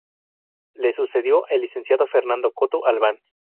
Le sucedió el Licenciado Fernando Coto Albán.